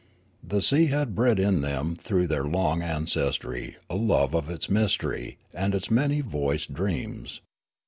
The sea had bred in them through their long ancestry a love of its mystery and its manj^ voiced dreams.